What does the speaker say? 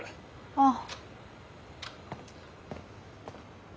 ああ。